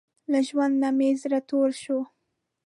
له ژوند نۀ مې زړه تور شو